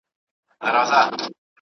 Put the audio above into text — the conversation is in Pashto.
پولیس د جرمونو په اړه څېړنه کوي.